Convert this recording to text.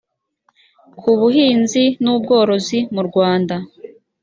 ku buhinzi n ubworozi mu rwanda